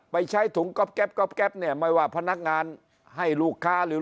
ใช้ถุงก๊อบแป๊บก๊อบแป๊บเนี่ยไม่ว่าพนักงานให้ลูกค้าหรือ